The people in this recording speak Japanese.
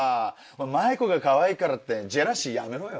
マイコがかわいいからってジェラシーやめろよ。